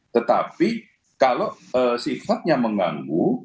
tetapi kalau sifatnya mengganggu